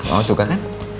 oh suka kan